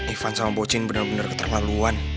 ivan sama bocin bener bener keterlaluan